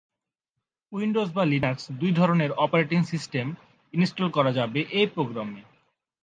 Windows বা Linux দুই ধরনের অপারেটিং সিস্টেমে ইনস্টল করা যাবে এই প্রোগ্রাম।